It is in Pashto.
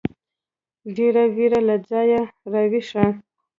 ډېـرې وېـرې له ځايـه راويـښه.